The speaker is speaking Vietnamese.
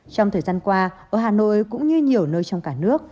trong thời gian qua ở hà nội cũng như nhiều nơi trong cả nước